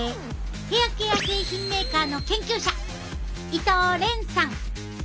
ヘアケア製品メーカーの研究者伊藤廉さん！